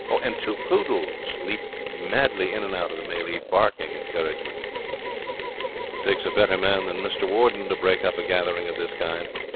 And two poodles leaped madly in and out of the melee, barking encouragement. It takes a better man than Mr Warden to break up a gathering of this kind.